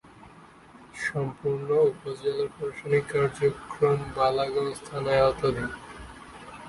সম্পূর্ণ উপজেলার প্রশাসনিক কার্যক্রম বালাগঞ্জ থানার আওতাধীন।